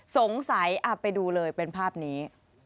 สงสัยไปดูเลยเป็นภาพนี้